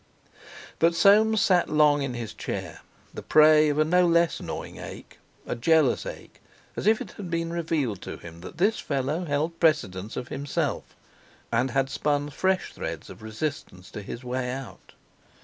But Soames sat long in his chair, the prey of a no less gnawing ache—a jealous ache, as if it had been revealed to him that this fellow held precedence of himself, and had spun fresh threads of resistance to his way out.